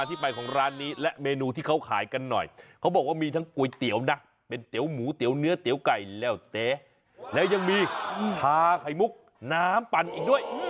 ทาไข่มุกน้ำปั่นอีกด้วย